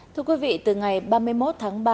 thưa quý vị từ ngày ba mươi một tháng ba